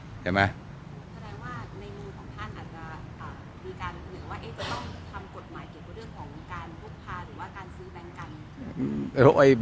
เกี่ยวกับกฎหมายเกี่ยวกับเรื่องของวงการลูกพาหรือว่าการซื้อแบงค์กันนี่